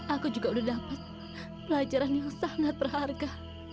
aku juga udah dapat pelajaran yang sangat berharga